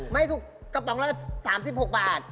ไม่ถูกกระป๋องละ๓๖บาท